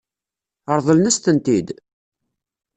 Ṛeḍlen-as-tent-id?